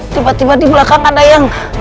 tiba tiba di belakang ada yang